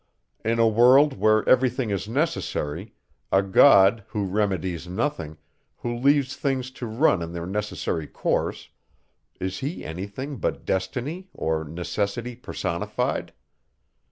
In a world, where every thing is necessary, a God, who remedies nothing, who leaves things to run in their necessary course, is he any thing but destiny, or necessity personified?